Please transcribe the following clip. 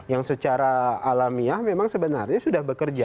yang secara alamiah memang sebenarnya sudah bekerja